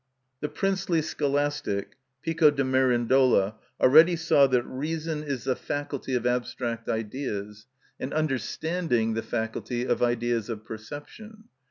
The princely scholastic Pico de Mirandula already saw that reason is the faculty of abstract ideas, and understanding the faculty of ideas of perception.